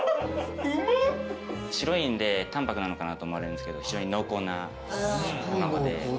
白いんで淡泊なのかなと思われるんですけど非常に濃厚な卵で。